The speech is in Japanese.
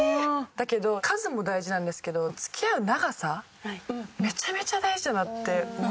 だけど数も大事なんですけど付き合う長さめちゃめちゃ大事だなって思って。